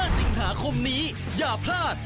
สิงหาคมนี้อย่าพลาด